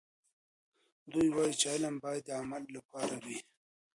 دوی وایي چې علم باید د عمل لپاره وي.